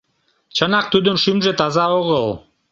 Чынак, тудын шӱмжӧ таза огыл.